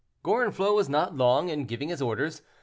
Gorenflot was not long in giving his orders.